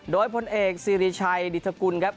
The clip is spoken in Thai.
โดยพลเอกสิริชัยดิทธกุลครับ